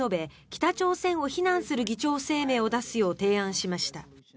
北朝鮮を非難する議長声明を出すよう提案しました。